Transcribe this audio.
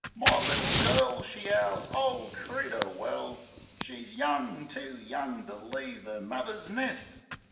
"My little girl!" she 'owls. "O, treat 'er well! She's young — too young to leave 'er muvver's nest!"